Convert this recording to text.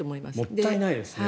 もったいないですね